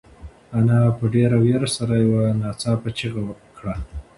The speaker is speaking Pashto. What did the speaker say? انا په ډېرې وېرې سره یو ناڅاپه چیغه کړه.